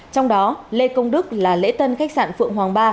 trong đó lê công đức là lễ tân khách sạn phượng hoàng ba